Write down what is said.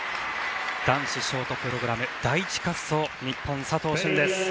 男子ショートプログラム第１滑走日本、佐藤駿です。